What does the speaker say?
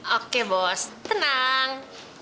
oke bos tenang